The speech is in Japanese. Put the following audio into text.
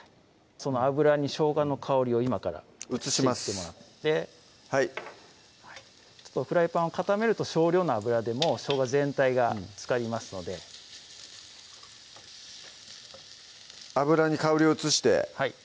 その油にしょうがの香りを今から移していってもらってはいはいフライパンを傾けると少量の油でもしょうが全体がつかりますので油に香りを移してはい